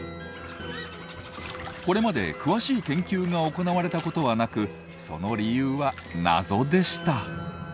これまで詳しい研究が行われたことはなくその理由は謎でした。